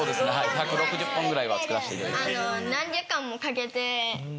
１６０本ぐらいは作らせていただいてます。